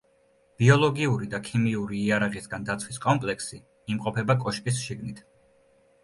ბიოლოგიური და ქიმიური იარაღისაგან დაცვის კომპლექსი იმყოფება კოშკის შიგნით.